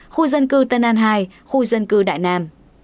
khu dân cư tân an hai khu dân cư đại nam